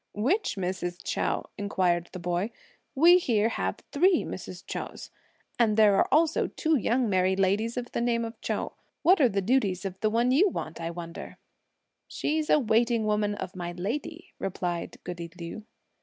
"Which Mrs. Chou?" inquired the boy; "we here have three Mrs. Chous; and there are also two young married ladies of the name of Chou. What are the duties of the one you want, I wonder ?" "She's a waiting woman of my lady," replied goody Liu.